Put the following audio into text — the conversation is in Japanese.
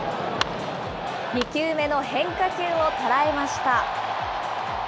２球目の変化球を捉えました。